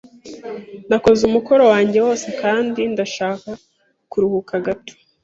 Nakoze umukoro wanjye wose kandi ndashaka kuruhuka gato.